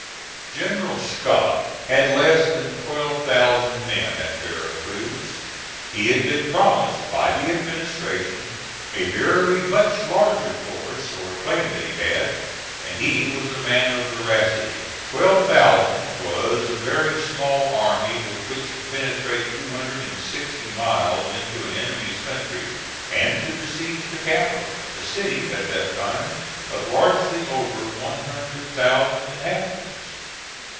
General Scott had less than twelve thousand men at Vera Cruz. He had been promised by the administration a very much larger force, or claimed that he had, and he was a man of veracity. Twelve thousand was a very small army with which to penetrate two hundred and sixty miles into an enemy's country, and to besiege the capital; a city, at that time, of largely over one hundred thousand inhabitants.